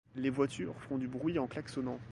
les voitures font du bruit en klaxonnant